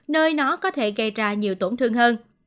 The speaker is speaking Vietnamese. nơi nó có thể gây ra nhiều tổn thương hơn